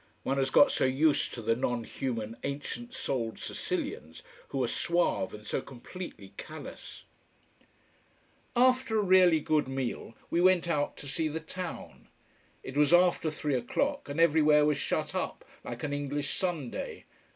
One has got so used to the non human ancient souled Sicilians, who are suave and so completely callous. After a really good meal we went out to see the town. It was after three o'clock and everywhere was shut up like an English Sunday.